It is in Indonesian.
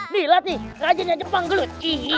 lihat nih ngajarinnya jepang gelut